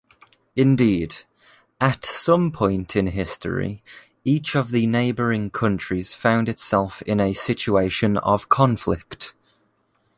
Indeed, at some point in history, each of the neighboring countries found itself in a situation of conflict.